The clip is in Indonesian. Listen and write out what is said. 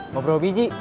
bawa berapa biji